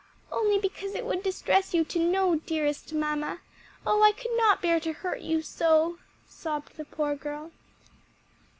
"Only because it would distress you to know, dearest mamma. Oh I could not bear to hurt you so!" sobbed the poor girl.